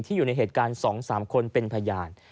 อยู่ในเหตุการณ์๒๓คนเป็นพยาน